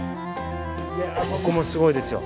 いやここもすごいですよ。